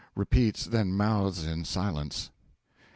(Repeats. Then mouths in silence.)